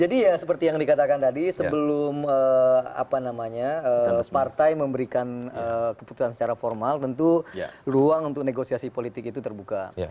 ya seperti yang dikatakan tadi sebelum partai memberikan keputusan secara formal tentu ruang untuk negosiasi politik itu terbuka